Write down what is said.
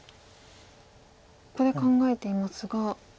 ここで考えていますが。